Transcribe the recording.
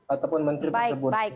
ataupun menteri tersebut